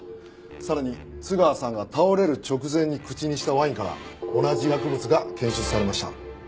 さらに津川さんが倒れる直前に口にしたワインから同じ薬物が検出されました。